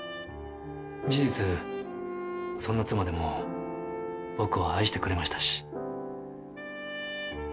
事実そんな妻でも僕を愛してくれましたし。